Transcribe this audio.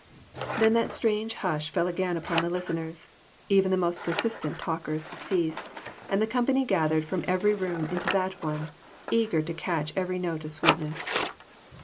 Then that strange hush fell again upon the lis teners ; even the most persistent talkers ceased, and the company gathered from every room into that one, eager to catch every note of sweetness.